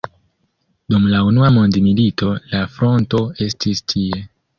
Dum la unua mondmilito la fronto estis tie.